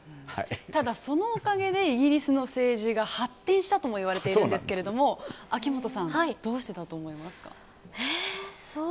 ただ、そのおかげでイギリスの政治が発展したともいわれているんですけれども秋元さん、どうしてだと思いますか？